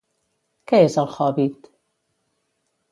Què és el hòbbit?